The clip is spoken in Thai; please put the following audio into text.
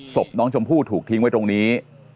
ศพน้องชมพู่ถูกทิ้งไว้ตรงนี้